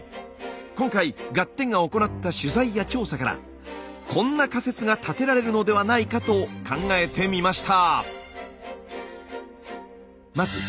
今回「ガッテン！」が行った取材や調査からこんな仮説が立てられるのではないかと考えてみました。